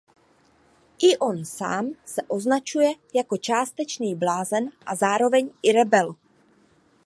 I on sám se označuje jako částečný blázen a zároveň i rebel.